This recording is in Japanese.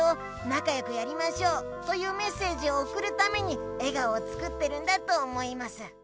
なかよくやりましょう」というメッセージをおくるために笑顔を作ってるんだと思います。